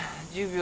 １０秒。